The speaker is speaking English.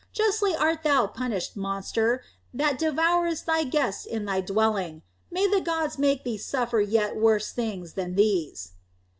Justly art thou punished, monster, that devourest thy guests in thy dwelling. May the gods make thee suffer yet worse things than these!"